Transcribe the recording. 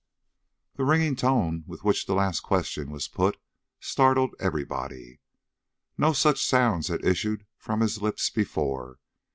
The ringing tone with which the last question was put startled everybody. No such sounds had issued from his lips before.